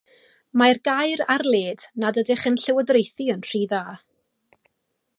Mae'r gair ar led nad ydych yn llywodraethu yn rhy dda.